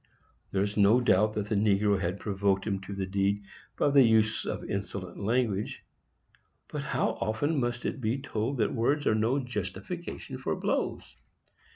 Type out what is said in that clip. There is no doubt that the negro had provoked him to the deed by the use of insolent language; but how often must it be told that words are no justification for blows?